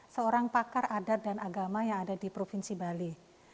seorang pakar adat dan agama yang ada di provinsi bali